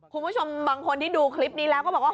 คุณผู้ชมบางคนที่ดูคลิปนี้แล้วก็บอกว่า